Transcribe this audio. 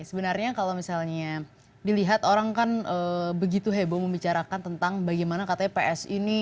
sebenarnya kalau misalnya dilihat orang kan begitu heboh membicarakan tentang bagaimana katanya ps ini